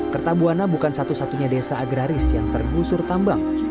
kertabuana bukan satu satunya desa agraris yang tergusur tambang